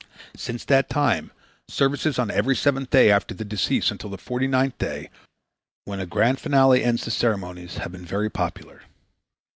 Since that time services on every seventh day after the decease until the forty ninth day, when a grand finale ends the ceremonies, have been very popular.